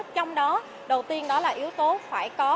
trong đó đầu tiên đó là yếu tố phải có